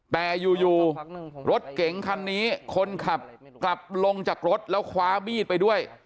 แต่อยู่รถเก๋งคันนี้คนขับกลับลงจากรถแล้วคว้ามีดไปด้วย